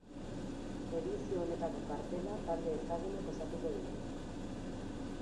Edizio honetako kartela talde ezagunek osatuko dute.